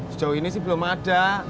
sejauh ini sih belum ada